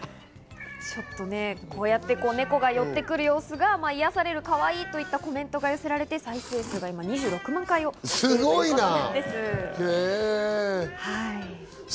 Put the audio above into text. こうやって猫が寄ってくる様子が癒される、かわいいといったコメントが寄せられて再生回数は２６万回を超えているそうです。